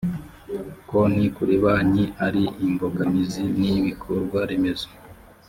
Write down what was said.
konti kuri banki ari imbogamizi n ibikorwaremezo